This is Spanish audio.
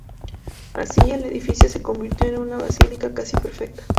Así, el edificio se convirtió en una basílica casi perfecta.